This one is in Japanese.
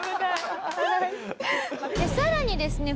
さらにですね